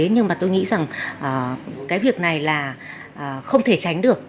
nhưng mà tôi nghĩ rằng cái việc này là không thể tránh được